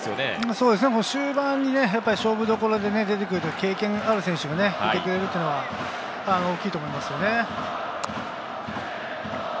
そうですね、終盤勝負どころで出てくるというのは、経験のある選手がいるというのは大きいと思いますね。